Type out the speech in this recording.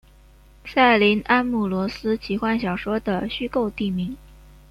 塞林安姆罗斯奇幻小说的虚构地名。